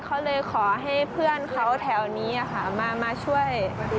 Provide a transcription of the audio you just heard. เขาเลยขอให้เพื่อนเขาแถวนี้มาช่วย